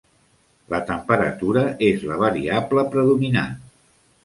La temperatura és la variable predominant.